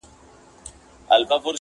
• نه به واخلي تر قیامته عبرتونه -